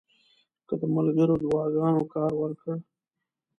که د ملګرو دعاګانو کار ورکړ.